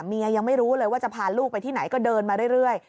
ยังไม่รู้เลยว่าจะพาลูกไปที่ไหนก็เดินมาเรื่อย